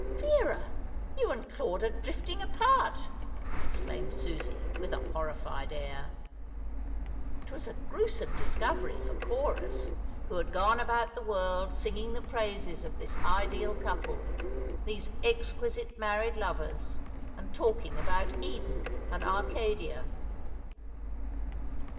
"Vera, you and Claude are drifting apart," exclaimed Susie, with a horrified air. It was a gruesome discovery for Chorus, who had gone about the world singing the praises of this ideal couple these exquisite married lovers and talking about Eden and Arcadia.